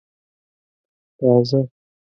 _راځه.